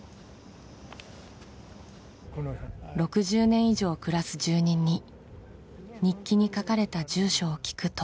６０年以上暮らす住人に日記に書かれた住所を聞くと。